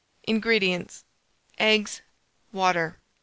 INGREDIENTS. Eggs, water.